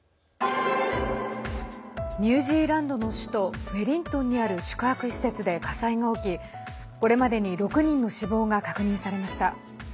ニュージーランドの首都ウェリントンにある宿泊施設で火災が起き、これまでに６人の死亡が確認されました。